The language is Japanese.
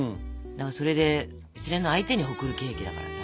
それで失恋の相手に贈るケーキだからさ。